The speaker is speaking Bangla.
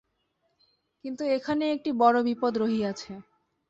কিন্তু এখানে একটি বড় বিপদ রহিয়াছে।